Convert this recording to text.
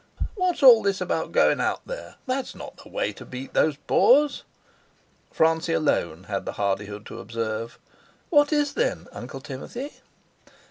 "What's all this about goin' out there? That's not the way to beat those Boers." Francie alone had the hardihood to observe: "What is, then, Uncle Timothy?"